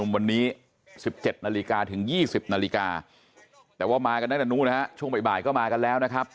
วันนี้๑๗นาฬิกาถึง๒๐นาฬิกาแต่ว่ามากันตั้งแต่นู้นนะฮะช่วงบ่ายก็มากันแล้วนะครับ